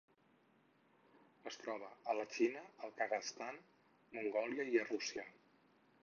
Es troba a la Xina, el Kazakhstan, Mongòlia i a Rússia.